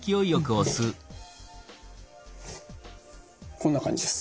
こんな感じです。